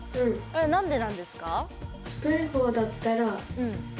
あれは何でなんですか？